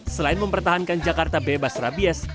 selain mempertahankan jakarta bebas rabies